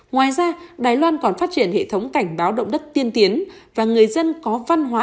ngoài ra đài loan còn phát triển hệ thống cảnh báo động đất tiên tiến và người dân có văn hóa